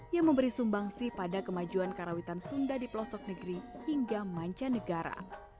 yang memberi sumbangsi pada kemajuan karawitan sunda di pelosok negeri hingga mancanegara